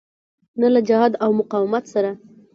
نه له جهاد او مقاومت سره.